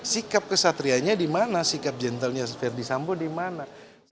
sikap pesantriannya dimana sikap jendralnya seperti yang disambung di mana